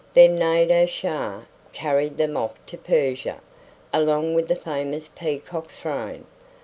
Then Nadir Shah carried them off to Persia, along with the famous peacock throne.